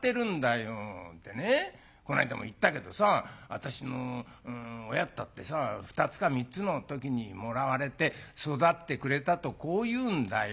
でねこないだも言ったけどさ私の親ったってさ２つか３つの時にもらわれて育ててくれたとこう言うんだよ。